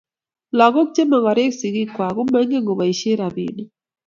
Lagok che magorek sigik kwai komaingen koboishe rabinik